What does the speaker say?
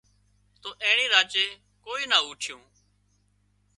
تو اينڻي راچي ڪوئي نا اوٺيون